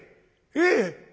ええ。